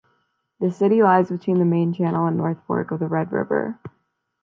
The city lies between the main channel and north fork of the Red River.